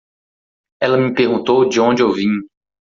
Ela me perguntou de onde eu vim.